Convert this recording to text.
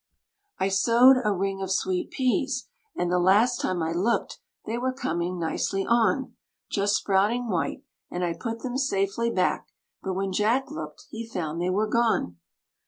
I sowed a ring of sweet peas, and the last time I looked they were coming nicely on, Just sprouting white, and I put them safely back; but when Jack looked he found they were gone.